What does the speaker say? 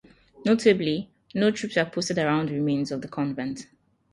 Notably, no troops were posted around the remains of the convent.